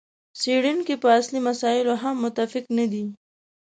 څېړونکي په اصلي مسایلو هم متفق نه دي.